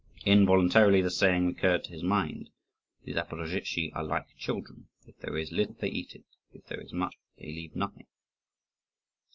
Involuntarily the saying recurred to his mind, "The Zaporozhtzi are like children: if there is little they eat it, if there is much they leave nothing."